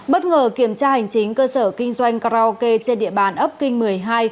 bất ngờ kiểm tra hành chính cơ sở kinh doanh karaoke trên địa bàn ấp kinh một mươi hai